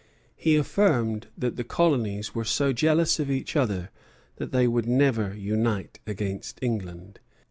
He affirmed that the colonies were so jealous of each other that they would never unite against England.